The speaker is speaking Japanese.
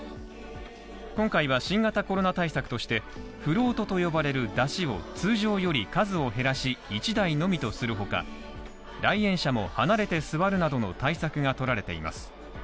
今回は新型コロナ対策として、フロートと呼ばれる山車を通常より数を減らし、１台のみとするほか、来園者も離れて座るなどの対策がとられています。